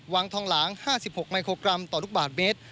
วังทองหลัง๕๖บาทเมตร